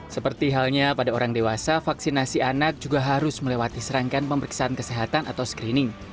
seperti halnya pada orang dewasa vaksinasi anak juga harus melewati serangkaian pemeriksaan kesehatan atau screening